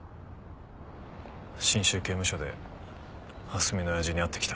信州刑務所で蓮見の親父に会ってきた。